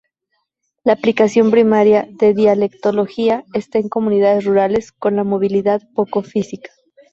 La aplicación primaria de dialectología está en comunidades rurales con la movilidad poco física.